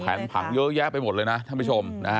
ผังเยอะแยะไปหมดเลยนะท่านผู้ชม